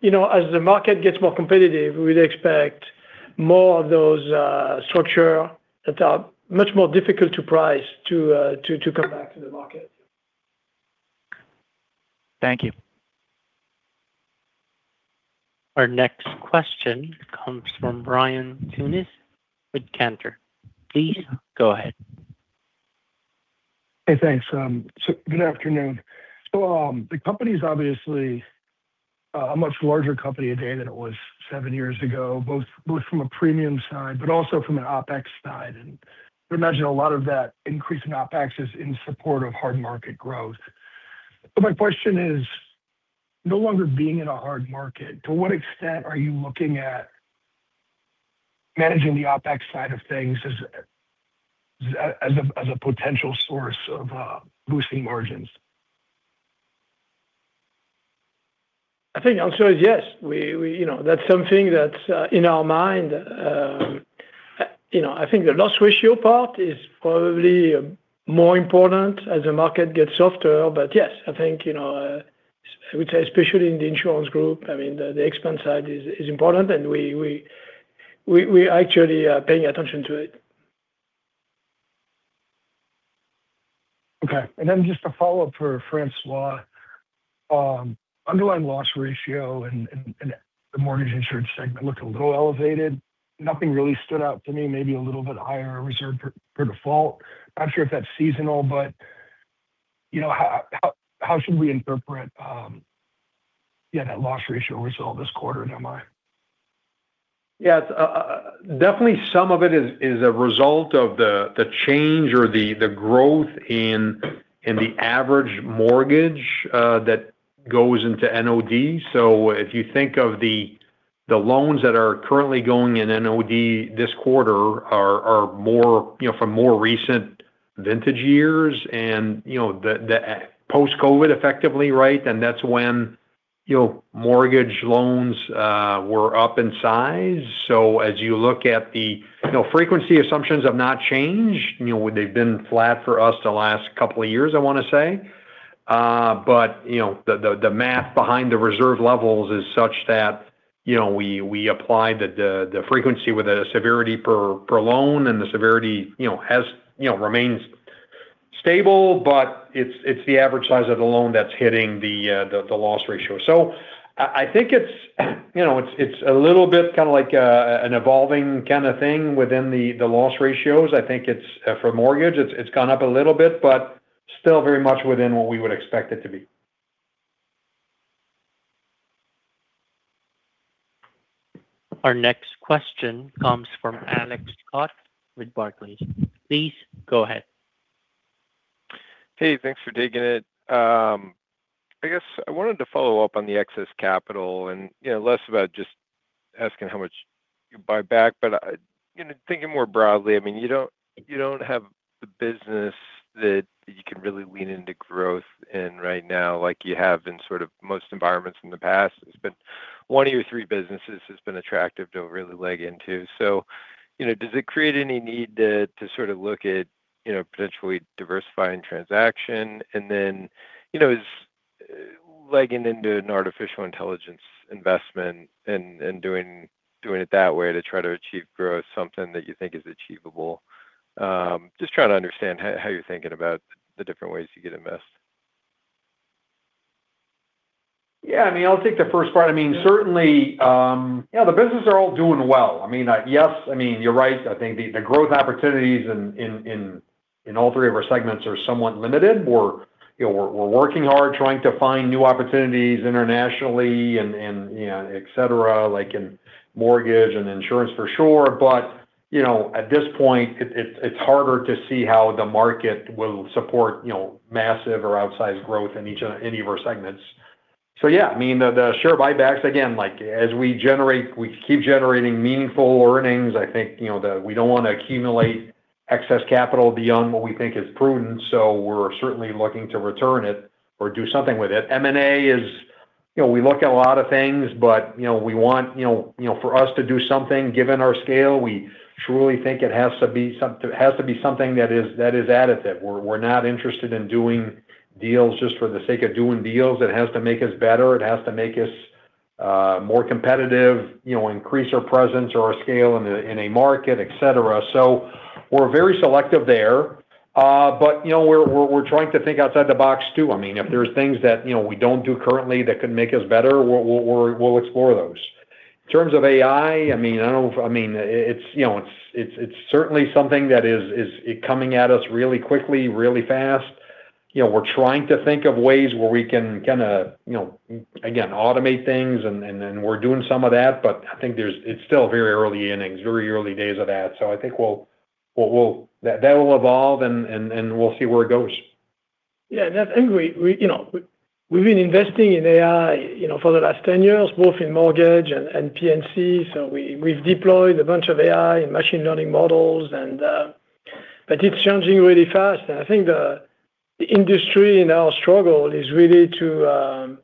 You know, as the market gets more competitive, we'd expect more of those structure that are much more difficult to price to come back to the market. Thank you. Our next question comes from Ryan Tunis with Cantor. Please go ahead. Hey, thanks. Good afternoon. The company's obviously a much larger company today than it was seven years ago, both from a premium side but also from an OpEx side. I imagine a lot of that increase in OpEx is in support of hard market growth. My question is, no longer being in a hard market, to what extent are you looking at managing the OpEx side of things as a potential source of boosting margins? I think the answer is yes. We, you know, that's something that's in our mind. You know, I think the loss ratio part is probably more important as the market gets softer. Yes, I think, you know, which especially in the insurance group, I mean, the expense side is important, and we actually paying attention to it. Okay. Just a follow-up for François. Underlying loss ratio and the mortgage insurance segment looked a little elevated. Nothing really stood out to me, maybe a little bit higher reserve for default. Not sure if that's seasonal, you know, how should we interpret, yeah, that loss ratio result this quarter, never mind? Yeah. It's definitely some of it is a result of the change or the growth in the average mortgage that goes into NOD. If you think of the loans that are currently going in NOD this quarter are more, you know, from more recent vintage years and, you know, the post-COVID effectively, right? That's when, you know, mortgage loans were up in size. As you look at the, you know, frequency assumptions have not changed. You know, they've been flat for us the last couple of years, I wanna say. You know, the math behind the reserve levels is such that, you know, we apply the frequency with a severity per loan and the severity, you know, has, you know, remains stable, but it's the average size of the loan that's hitting the loss ratio. I think it's, you know, it's a little bit kinda like an evolving kinda thing within the loss ratios. I think it's for mortgage, it's gone up a little bit, but still very much within what we would expect it to be. Our next question comes from Alex Scott with Barclays. Please go ahead. Hey, thanks for taking it. I guess I wanted to follow up on the excess capital and, you know, less about just asking how much you buy back, but, you know, thinking more broadly, I mean, you don't, you don't have the business that you can really lean into growth in right now like you have in sort of most environments in the past. It's been one of your three businesses has been attractive to really leg into. Does it create any need to sort of look at, you know, potentially diversifying transaction? Then, you know, is legging into an artificial intelligence investment and doing it that way to try to achieve growth something that you think is achievable? Just trying to understand how you're thinking about the different ways to get invested. I mean, I'll take the first part. I mean, certainly, the businesses are all doing well. I mean, yes, I mean, you're right. I think the growth opportunities in all three of our segments are somewhat limited. We're, you know, we're working hard trying to find new opportunities internationally and, you know, etc., like in mortgage and insurance for sure. You know, at this point, it's harder to see how the market will support, you know, massive or outsized growth in any of our segments. I mean, the share buybacks, again, like as we keep generating meaningful earnings. I think, you know, we don't wanna accumulate excess capital beyond what we think is prudent, so we're certainly looking to return it or do something with it. M&A is, you know, we look at a lot of things, but, you know, we want, you know, you know, for us to do something given our scale, we truly think it has to be something that is, that is additive. We're, we're not interested in doing deals just for the sake of doing deals. It has to make us better. It has to make us more competitive, you know, increase our presence or our scale in a market, etc. We're very selective there. You know, we're, we're trying to think outside the box too. I mean, if there's things that, you know, we don't do currently that can make us better, we'll, we'll explore those. In terms of AI, I mean, it's, you know, it's certainly something that is coming at us really quickly, really fast. You know, we're trying to think of ways where we can kinda, you know, again automate things and we're doing some of that, but it's still very early innings, very early days of that. I think we'll that will evolve and we'll see where it goes. Yeah. We, you know, we've been investing in AI, you know, for the last 10 years, both in mortgage and P&C. We've deployed a bunch of AI and machine learning models. But it's changing really fast. I think the industry and our struggle is really to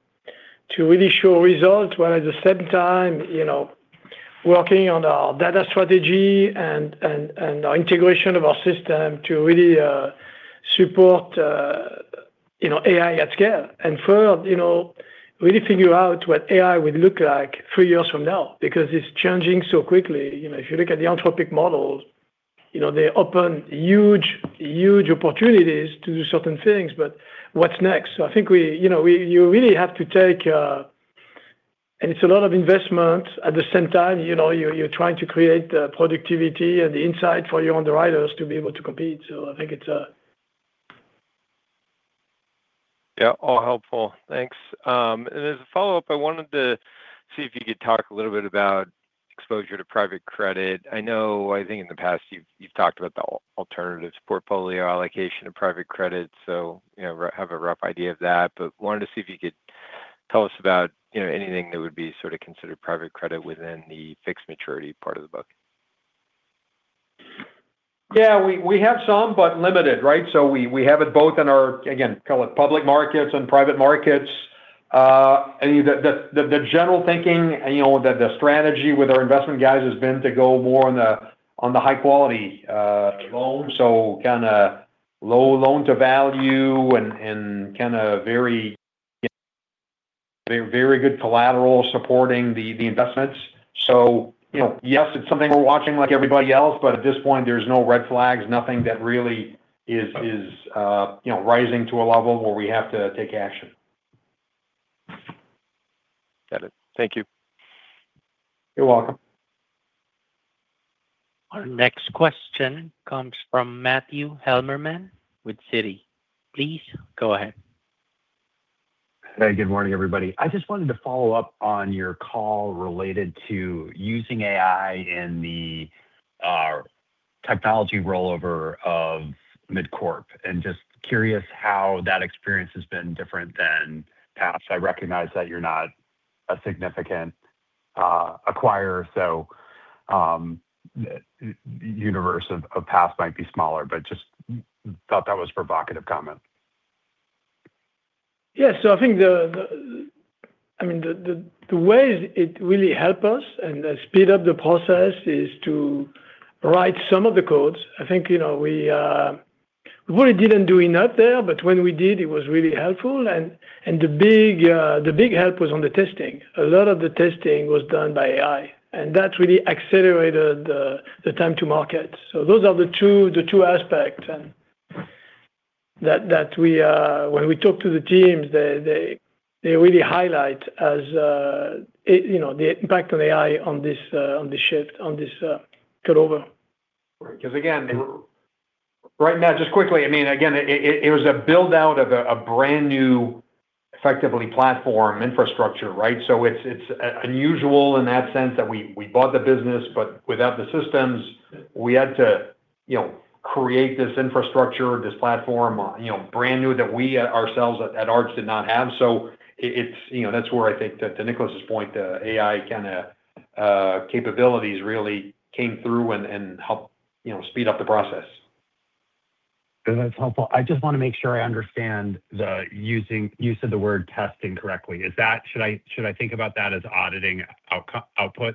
really show results while at the same time, you know, working on our data strategy and our integration of our system to really support, you know, AI at scale. Third, you know, really figure out what AI will look like 3 years from now because it's changing so quickly. You know, if you look at the Anthropic models. You know, they open huge opportunities to do certain things, but what's next? I think we, you know, you really have to take. It's a lot of investment. At the same time, you know, you're trying to create productivity and the insight for your underwriters to be able to compete. I think it's. Yeah, all helpful. Thanks. As a follow-up, I wanted to see if you could talk a little bit about exposure to private credit. I know I think in the past you've talked about the alternatives portfolio allocation of private credit, so you know, have a rough idea of that. Wanted to see if you could tell us about, you know, anything that would be sort of considered private credit within the fixed maturity part of the book. We have some, but limited, right? We have it both in our, again, call it public markets and private markets. The general thinking and, you know, the strategy with our investment guys has been to go more on the high quality loans. Kinda low loan-to-value and kinda very good collateral supporting the investments. You know, yes, it's something we're watching like everybody else, but at this point there's no red flags, nothing that really is, you know, rising to a level where we have to take action. Got it. Thank you. You're welcome. Our next question comes from Matthew Heimermann with Citi. Please go ahead. Hey, good morning, everybody. I just wanted to follow up on your call related to using AI in the technology rollover of MidCorp, and just curious how that experience has been different than past. I recognize that you're not a significant acquirer, the universe of past might be smaller, just thought that was provocative comment. I mean, the way it really help us and speed up the process is to write some of the codes. I think, you know, we really didn't do enough there, but when we did, it was really helpful. The big help was on the testing. A lot of the testing was done by AI, and that really accelerated the time to market. Those are the two aspects that we when we talk to the teams, they really highlight as it, you know, the impact of AI on this shift, on this cut-over. Right. 'Cause again, right now, just quickly, I mean, again, it was a build-out of a brand new effectively platform infrastructure, right? It's unusual in that sense that we bought the business, but without the systems, we had to, you know, create this infrastructure, this platform, you know, brand new that we ourselves at Arch did not have. It's, you know, that's where I think that to Nicolas' point, the AI kinda capabilities really came through and helped, you know, speed up the process. Good. That's helpful. I just wanna make sure I understand the use of the word testing correctly. Is that, should I think about that as auditing outputs?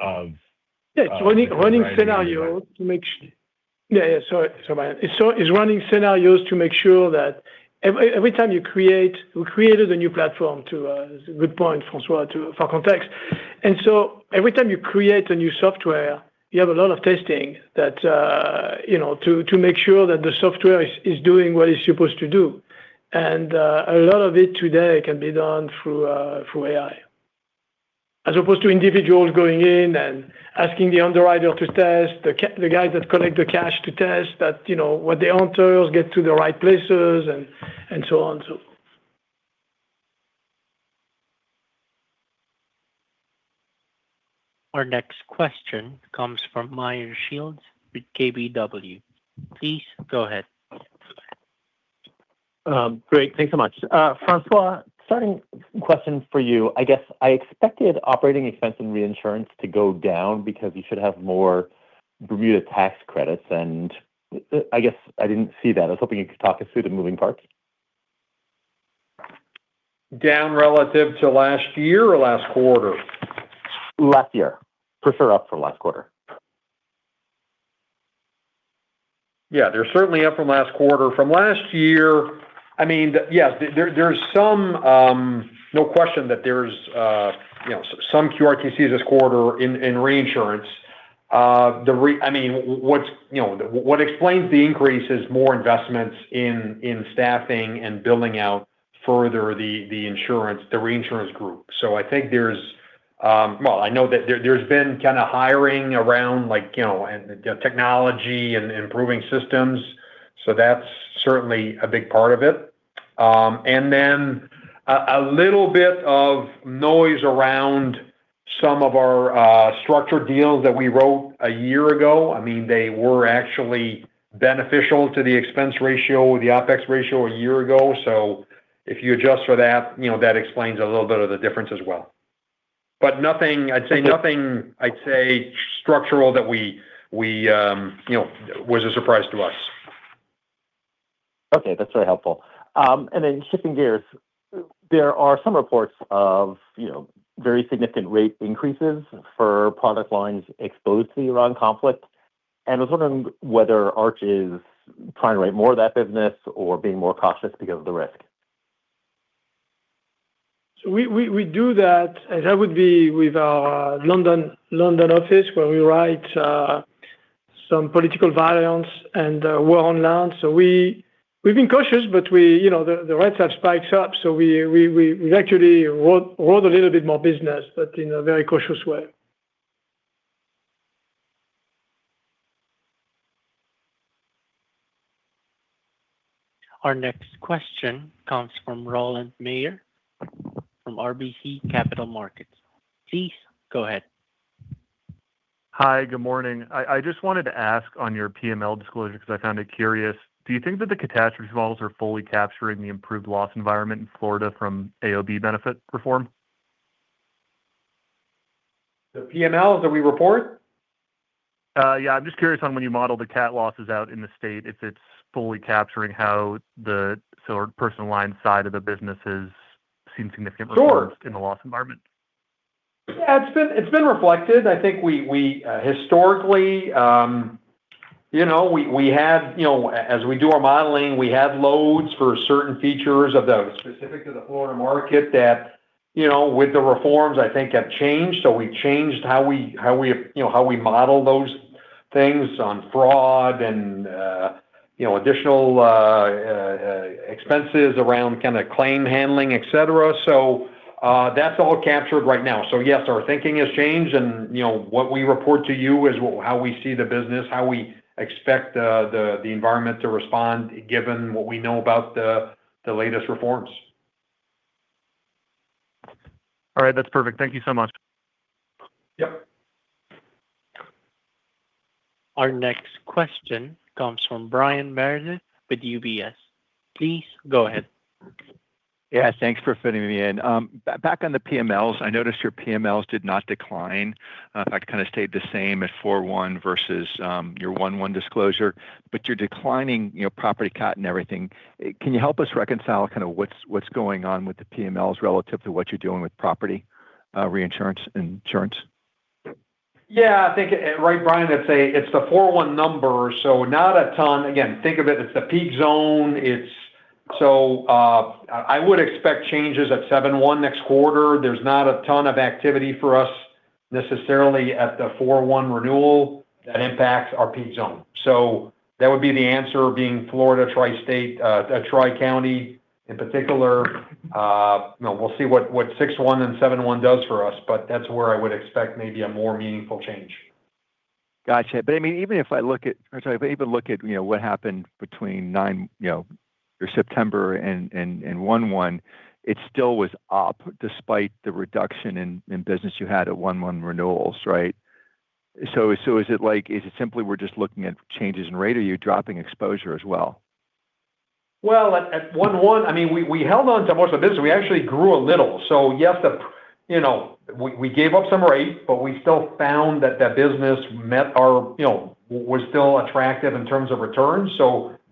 Yeah. It's running scenarios. Of AI. Yeah. It's running scenarios to make sure that every time you create. We created a new platform to, that's a good point, François, for context. Every time you create a new software, you have a lot of testing that, you know, to make sure that the software is doing what it's supposed to do. A lot of it today can be done through AI. As opposed to individuals going in and asking the underwriter to test, the guys that collect the cash to test that, you know, what the answers get to the right places and so on. Our next question comes from Meyer Shields with KBW. Please go ahead. Great. Thanks so much. François, starting question for you. I guess I expected operating expense and reinsurance to go down because you should have more Bermuda tax credits. I guess I didn't see that. I was hoping you could talk us through the moving parts. Down relative to last year or last quarter? Last year. Prefer up from last quarter. Yeah, they're certainly up from last quarter. From last year, I mean, yes, there's some. No question that there's, you know, some QRTC this quarter in reinsurance. I mean, what's, you know, what explains the increase is more investments in staffing and building out further the insurance, the reinsurance group. Well, I know that there's been kinda hiring around like, you know, in the technology and improving systems, so that's certainly a big part of it. Then a little bit of noise around some of our structured deals that we wrote a year ago. I mean, they were actually beneficial to the expense ratio, the OpEx ratio a year ago. If you adjust for that, you know, that explains a little bit of the difference as well. Nothing, I'd say nothing, I'd say structural that we, you know, was a surprise to us. Okay. That's very helpful. Then shifting gears, there are some reports of, you know, very significant rate increases for product lines exposed to the Iran conflict. I was wondering whether Arch is trying to write more of that business or being more cautious because of the risk? We do that, and that would be with our London office where we write some political violence and war on land. We've been cautious, but we, you know, the rates have spiked up, so we've actually wrote a little bit more business, but in a very cautious way. Our next question comes from Rowland Mayor from RBC Capital Markets. Please go ahead. Hi. Good morning. I just wanted to ask on your PML disclosure, because I found it curious. Do you think that the catastrophe models are fully capturing the improved loss environment in Florida from AOB benefit reform? The PMLs that we report? Yeah, I'm just curious on when you model the cat losses out in the state, if it's fully capturing how the sort of personal line side of the business is seeing. Sure. In the loss environment. Yeah, it's been reflected. I think we historically, you know, we have, you know, as we do our modeling, we have loads for certain features of those specific to the Florida market that, you know, with the reforms I think have changed. We changed how we, you know, how we model those things on fraud and, you know, additional expenses around kind of claim handling, et cetera. That's all captured right now. Yes, our thinking has changed, and, you know, what we report to you is how we see the business, how we expect the environment to respond given what we know about the latest reforms. All right. That's perfect. Thank you so much. Yep. Our next question comes from Brian Meredith with UBS. Please go ahead. Yeah, thanks for fitting me in. Back on the PMLs, I noticed your PMLs did not decline. Fact kinda stayed the same at 4/1 versus your 1/1 disclosure. You're declining, you know, property cat and everything. Can you help us reconcile kinda what's going on with the PMLs relative to what you're doing with property reinsurance and insurance? Yeah, I think, right, Brian, it's the 4/1 number, so not a ton. Again, think of it's the peak zone. It's. I would expect changes at 7/1 next quarter. There's not a ton of activity for us necessarily at the 4/1 renewal that impacts our peak zone. That would be the answer being Florida tri-state, the tri-county in particular. You know, we'll see what 6/1 and 7/1 does for us, but that's where I would expect maybe a more meaningful change. Gotcha. I mean, or sorry, even look at, you know, what happened between September and one one, it still was up despite the reduction in business you had at one one renewals, right? Is it, like, is it simply we're just looking at changes in rate, or you're dropping exposure as well? Well, at 1/1, I mean, we held on to most of the business. We actually grew a little. Yes, the, you know, we gave up some rate, but we still found that business met our, you know, was still attractive in terms of returns.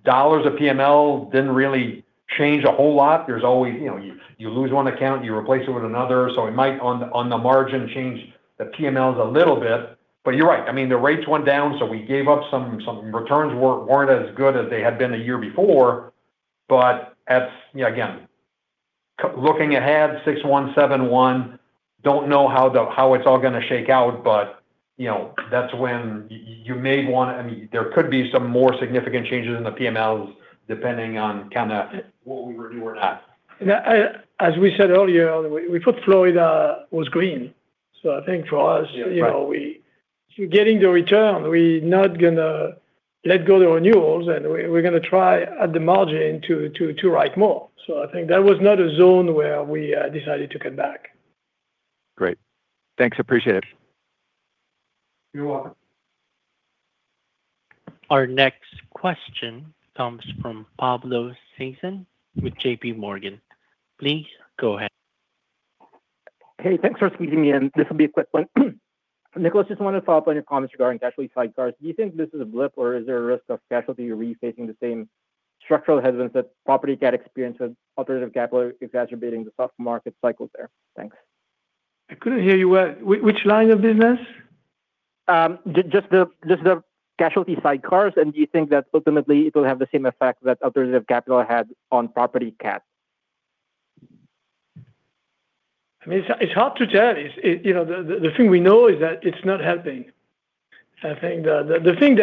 Dollars of PML didn't really change a whole lot. There's always, you know, you lose one account, you replace it with another. We might on the margin change the PMLs a little bit. You're right, I mean, the rates went down, so we gave up some returns weren't as good as they had been the year before. At, you know, again, looking ahead, 6/1, 7/1, don't know how it's all gonna shake out. You know, that's when you may wanna. I mean, there could be some more significant changes in the PMLs depending on kinda what we renew or not. Yeah. As we said earlier, we put Florida was green. I think for us. Yeah. Right You know, we getting the return, we're not gonna let go the renewals, and we're gonna try at the margin to write more. I think that was not a zone where we decided to cut back. Great. Thanks. Appreciate it. You're welcome. Our next question comes from Pablo Singzon with JPMorgan. Please go ahead. Hey, thanks for squeezing me in. This will be a quick one. Nicolas, just wanted to follow up on your comments regarding casualty sidecars. Do you think this is a blip, or is there a risk of casualty re-facing the same structural hazards that property cat experienced with alternative capital exacerbating the soft market cycles there? Thanks. I couldn't hear you well. Which line of business? Just the casualty sidecars, do you think that ultimately it will have the same effect that alternative capital had on property cat? I mean, it's hard to tell. You know, the thing we know is that it's not helping. I think the thing,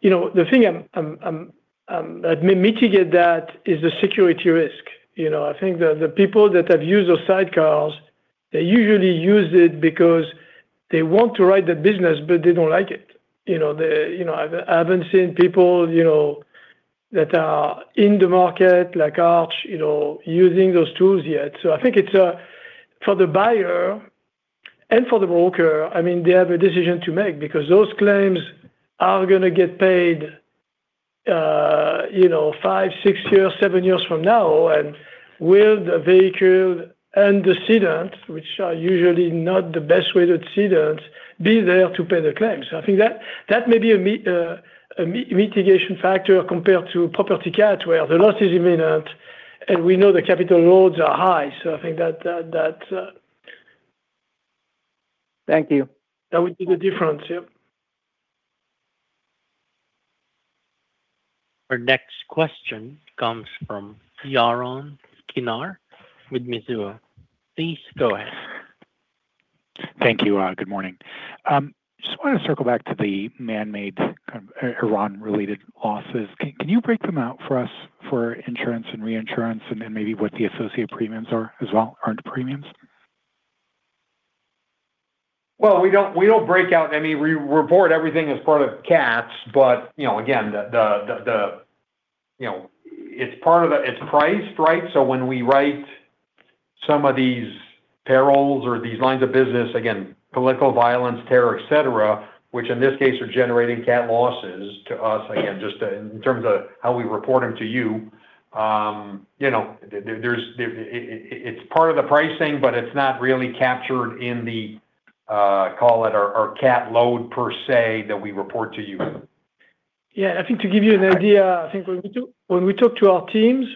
you know, that may mitigate that is the security risk. You know, I think the people that have used those sidecars, they usually use it because they want to write the business, but they don't like it. You know, I haven't seen people, you know, that are in the market like Arch, you know, using those tools yet. I think it's for the buyer and for the broker, I mean, they have a decision to make because those claims are gonna get paid, you know, five, six years, seven years from now. Will the vehicle and the cedent, which are usually not the best rated cedents, be there to pay the claims? I think that may be a mitigation factor compared to property cat where the losses are imminent, and we know the capital loads are high. Thank you. That would be the difference. Yeah. Our next question comes from Yaron Kinar with Mizuho. Please go ahead. Thank you. Good morning. I just wanna circle back to the man-made kind of, Iran-related losses. Can you break them out for us for insurance and reinsurance, and then maybe what the associated premiums are as well, earned premiums? Well, we don't break out any. We report everything as part of cat's, you know, again, the, you know, It's priced, right? When we write some of these perils or these lines of business, again, political violence, terror, et cetera, which in this case are generating cat losses to us, again, just in terms of how we report them to you know, it's part of the pricing, it's not really captured in the, call it our cat load per se that we report to you. Yeah. I think to give you an idea, I think when we do, when we talk to our teams,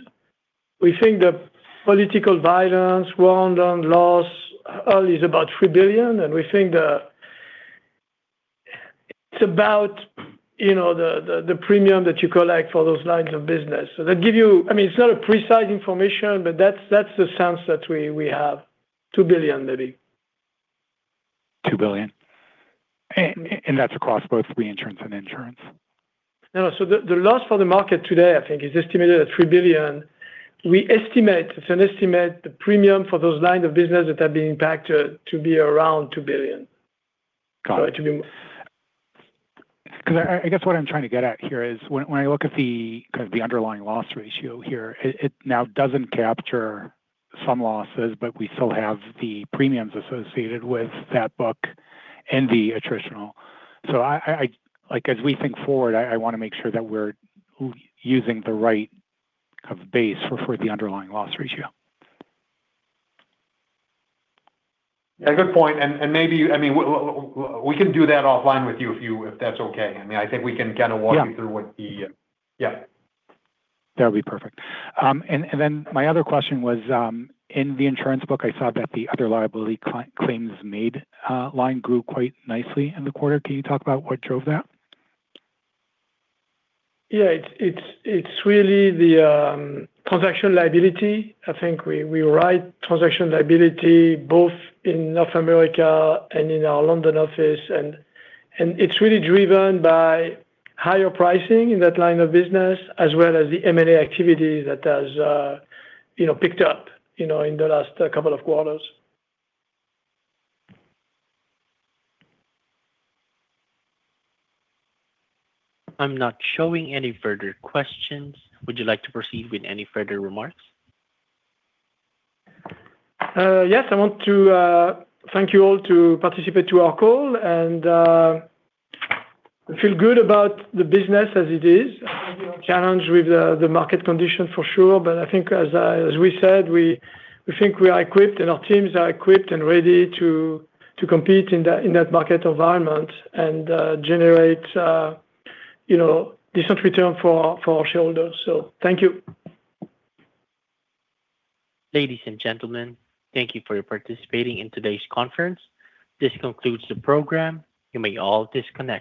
we think the political violence, run-off loss, is about $3 billion, and we think, it's about, you know, the, the premium that you collect for those lines of business. I mean, it's not a precise information, but that's the sense that we have. $2 billion maybe. $2 billion? That's across both reinsurance and insurance? No. The, the loss for the market today, I think, is estimated at $3 billion. We estimate, it's an estimate, the premium for those lines of business that are being impacted to be around $2 billion. Got it. Two bill- 'Cause I guess what I'm trying to get at here is when I look at the kind of the underlying loss ratio here, it now doesn't capture some losses, but we still have the premiums associated with that book and the attritional. Like, as we think forward, I wanna make sure that we're using the right kind of base for the underlying loss ratio. Yeah, good point. Maybe, I mean, we can do that offline with you if that's okay. I mean, I think we can kind of walk you. Yeah. Through what the, yeah. That'll be perfect. My other question was, in the insurance book, I saw that the other liability claims-made line grew quite nicely in the quarter. Can you talk about what drove that? Yeah. It's really the transaction liability. I think we ride transaction liability both in North America and in our London office and it's really driven by higher pricing in that line of business as well as the M&A activity that has, you know, picked up, you know, in the last couple of quarters. I'm not showing any further questions. Would you like to proceed with any further remarks? Yes. I want to thank you all to participate to our call and feel good about the business as it is. I think we are challenged with the market condition for sure, but I think as we said, we think we are equipped and our teams are equipped and ready to compete in that market environment and generate, you know, decent return for our shareholders. Thank you. Ladies and gentlemen, thank you for participating in today's conference. This concludes the program. You may all disconnect.